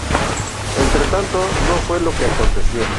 Entretanto, no fue lo que aconteció.